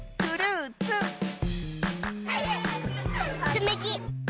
つみき。